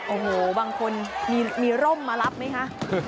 โอ้โหบางคนมีร่มมารับไหมคะ